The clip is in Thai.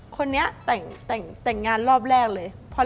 คนนี้แต่งงานรอบแรกเลย